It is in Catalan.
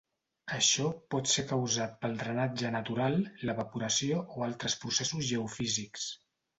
Això pot ser causat pel drenatge natural, l'evaporació o altres processos geofísics.